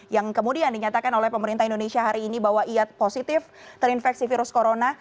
yang kemudian dinyatakan oleh pemerintah indonesia hari ini bahwa ia positif terinfeksi virus corona